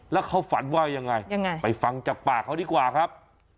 แล้วเขาฝันว่ายังไงไปฟังจากปากเขาดีกว่าครับ